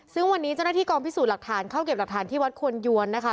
ซึ่งวันนี้เจ้าหน้าที่กองพิสูจน์หลักฐานเข้าเก็บหลักฐานที่วัดควรยวนนะคะ